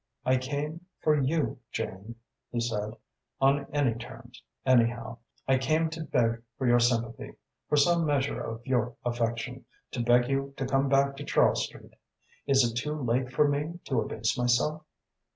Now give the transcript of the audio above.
"I came for you, Jane," he said, "on any terms anyhow. I came to beg for your sympathy, for some measure of your affection, to beg you to come back to Charles Street. Is it too late for me to abase myself?"